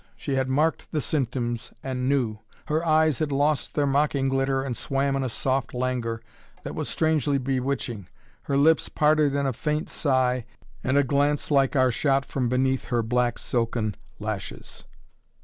She had marked the symptoms and knew. Her eyes had lost their mocking glitter and swam in a soft languor, that was strangely bewitching. Her lips parted in a faint sigh and a glance like are shot from beneath her black silken lashes.